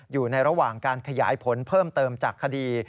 อยู่ในระหว่างการขยายผลเพิ่มเติมจากคดี